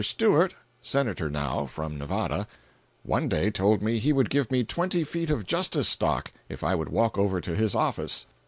Stewart (Senator, now, from Nevada) one day told me he would give me twenty feet of "Justis" stock if I would walk over to his office.